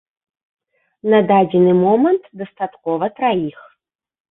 На дадзены момант дастаткова траіх.